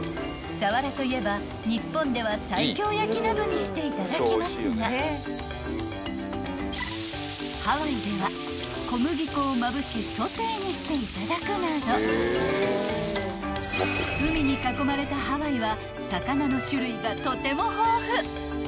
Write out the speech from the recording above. ［サワラといえば日本では西京焼きなどにしていただきますがハワイでは小麦粉をまぶしソテーにしていただくなど海に囲まれたハワイは］